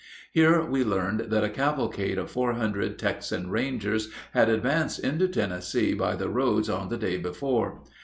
Here we learned that a cavalcade of four hundred Texan Rangers had advanced into Tennessee by the roads on the day before.